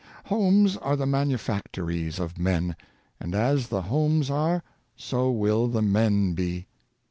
Homes are the manufactories of men; and as the homes are, so will the men be.